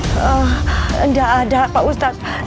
eh enggak ada pak ustadz